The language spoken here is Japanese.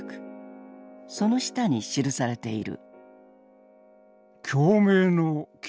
その下に記されている。